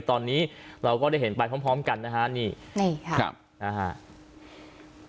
ตอนนี้เราก็ได้เห็นไปพร้อมพร้อมกันนะฮะนี่นี่ค่ะครับนะฮะ